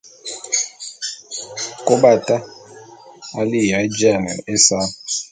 Kôbata a li'iya éjiane ésa.